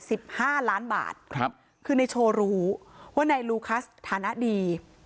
สิบห้าล้านบาทครับคือในโชว์รู้ว่านายลูคัสฐานะดี